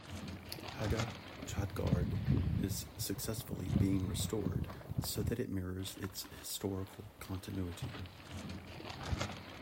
Haga Tradgard is successively being restored so that it mirrors its historical continuity.